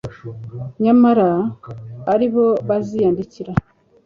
nyamara ari bo baziyandikira